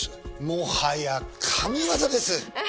もはや神業です。